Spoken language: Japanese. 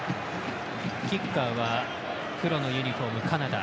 キッカーは黒のユニフォーム、カナダ。